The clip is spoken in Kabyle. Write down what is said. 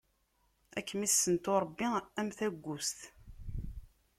Ad kem-issentu Ṛebbi am tagust!